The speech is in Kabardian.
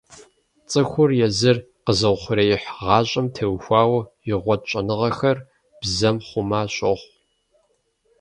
ЦӀыхур езыр къэзыухъуреихь гъащӀэм теухуауэ игъуэт щӀэныгъэхэр бзэм хъума щохъу.